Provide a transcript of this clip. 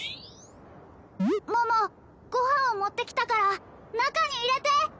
桃ご飯を持ってきたから中に入れて